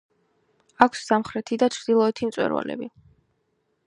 აქვს სამხრეთი და ჩრდილოეთი მწვერვალები.